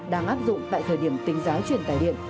đang áp dụng tại thời điểm tính giá truyền tài điện